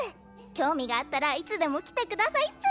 興味があったらいつでも来て下さいっす。